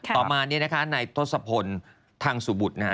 ต่อมาเนี่ยนะคะนายทศพลทางสุบุตรนะฮะ